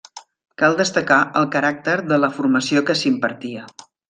Cal destacar el caràcter de la formació que s'impartia.